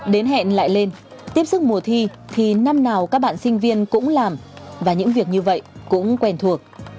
đến hẹn lại lên tiếp sức mùa thi thì năm nào các bạn sinh viên cũng làm và những việc như vậy cũng quen thuộc